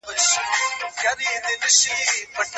که تقوا نه لرې نو عالم نشې کېدلی.